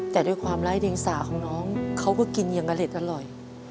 แต่ด้วยความไร้เดียงสาของน้องเขาก็กินอย่างอเล็ดอร่อย